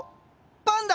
パンダ？